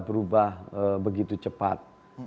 berubah begitu cepat